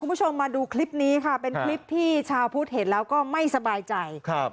คุณผู้ชมมาดูคลิปนี้ค่ะเป็นคลิปที่ชาวพุทธเห็นแล้วก็ไม่สบายใจครับ